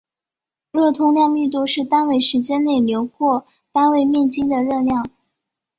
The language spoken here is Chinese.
热通量密度是单位时间内流过单位面积的热量。